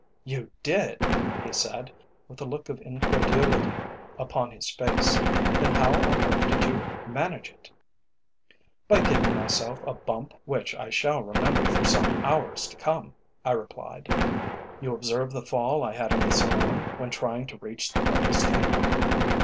"You did," he said, with a look of incredulity upon his face. "Then how on earth did you manage it?" "By giving myself a bump which I shall remember for some hours to come," I replied. "You observed the fall I had in the saloon, when trying to reach the breakfast table?"